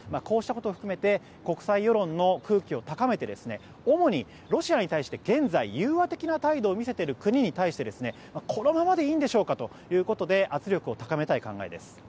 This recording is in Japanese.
こうしたことを含めて国際世論の空気を高めて主にロシアに対して現在、融和的な態度を見せている国に対してこのままでいいんでしょうかということで圧力を高めたい考えです。